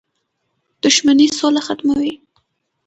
• دښمني سوله ختموي.